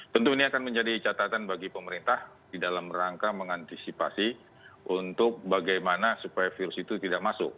tentu ini akan menjadi catatan bagi pemerintah di dalam rangka mengantisipasi untuk bagaimana supaya virus itu tidak masuk